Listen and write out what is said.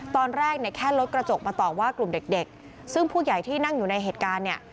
ตอนแรกเนี่ยแค่รถกระจกมาตอบว่ากลุ่มเด็กซึ่งผู้ใหญ่ที่นั่งอยู่ในเหตุการณ์เนี่ย